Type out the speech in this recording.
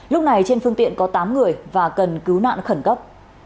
lúc này trên phương tiện có tám người và cần cứu nạn khẩn cấp